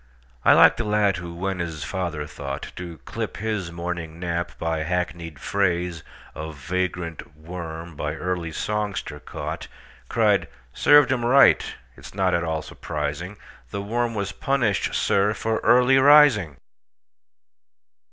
I like the lad who, when his father thoughtTo clip his morning nap by hackneyed phraseOf vagrant worm by early songster caught, Cried, "Served him right!—it 's not at all surprising; The worm was punished, sir, for early rising!"